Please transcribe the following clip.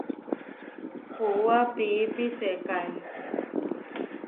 Puúa piípi sekáe.